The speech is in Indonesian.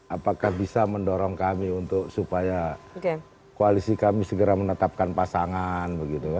apakah bisa mendorong kami untuk supaya koalisi kami segera menetapkan pasangan